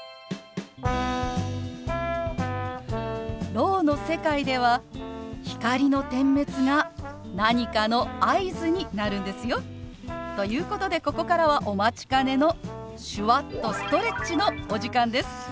ろうの世界では光の点滅が何かの合図になるんですよ。ということでここからはお待ちかねの手話っとストレッチのお時間です！